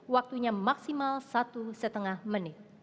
waktunya maksimal satu lima menit